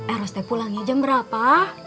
eros pulangnya jam berapa